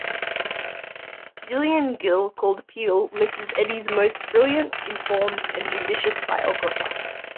Gillian Gill called Peel Mrs. Eddy's most brilliant, informed and judicious biographer.